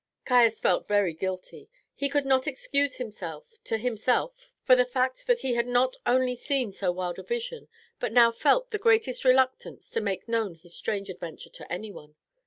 Caius felt very guilty. He could not excuse himself to himself for the fact that he had not only seen so wild a vision but now felt the greatest reluctance to make known his strange adventure to anyone.